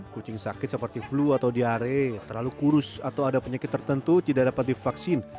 kucing sakit seperti flu atau diare terlalu kurus atau ada penyakit tertentu tidak dapat divaksin